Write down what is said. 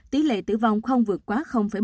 tỷ lệ tử vong không vượt quá một